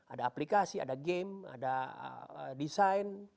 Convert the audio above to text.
ada aplikasi ada game ada desain